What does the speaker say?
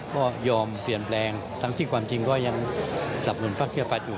ก็ยอมเปลี่ยนแปลงทั้งที่ความจริงก็ยังสรรคุณภัครภัฏอยู่